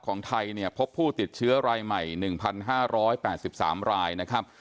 ของไทยเนี่ยพบผู้ติดเชื้อรายใหม่๑๕๘๓รายนะครับ